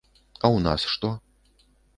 А ў нас што?